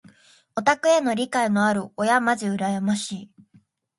オタクへの理解のある親まじ羨ましい。